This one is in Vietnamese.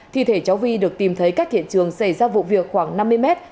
thi thể cháu vi được tìm thấy cách hiện trường xảy ra vụ việc khoảng năm mươi mét